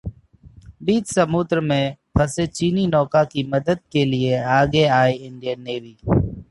बीच समुद्र में फंसे चीनी नौका की मदद के लिए आगे आई इंडियन नेवी